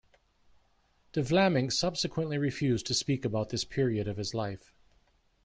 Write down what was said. De Vlaeminck subsequently refused to speak about this period of his life.